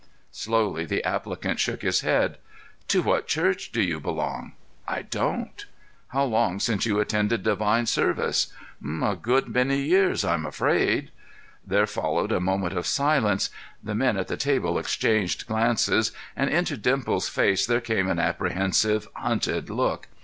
Slowly the applicant shook his head. "To what Church do you belong?" "I don't." "How long since you attended divine service?" "A good many years, I'm afraid." There followed a moment of silence; the men at the table exchanged glances, and into Dimples's face there came an apprehensive, hunted look.